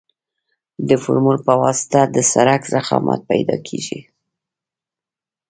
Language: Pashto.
د فورمول په واسطه هم د سرک ضخامت پیدا کیږي